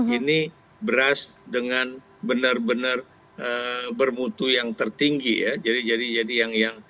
ini beras dengan benar benar bermutu yang tertinggi ya